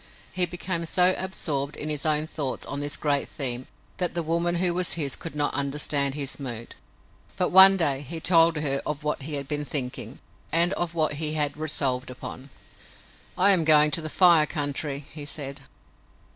He became so absorbed in his own thoughts on this great theme that the woman who was his could not understand his mood, but, one day, he told her of what he had been thinking and of what he had resolved upon. "I am going to the Fire Country," he said.